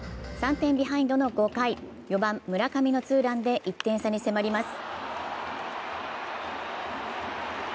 ３点ビハインドの５回、４番・村上のツーランで１点差に迫ります。